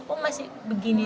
kok masih begini